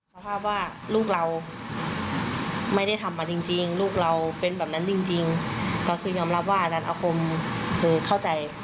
สภาพว่าลูกเราไม่ได้ทำมาจริงลูกเราเป็นแบบนั้นจริงก็คือยอมรับว่าอาจารย์อาคมคือเข้าใจ